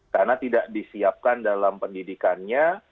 karena tidak disiapkan dalam pendidikannya